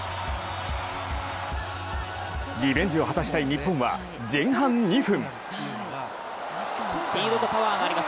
リベンジを果たしたい日本は前半２分。